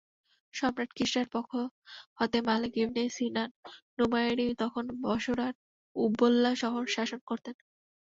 সম্রাট কিসরার পক্ষ হতে মালেক ইবনে সিনান নুমাইরি তখন বসরার উবুল্লা শহর শাসন করতেন।